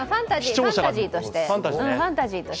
ファンタジーとして。